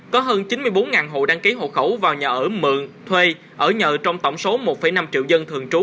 có hơn chín mươi bốn hộ đăng ký hộ khẩu vào nhà ở mượn thuê ở nhờ trong tổng số một năm triệu dân thường trú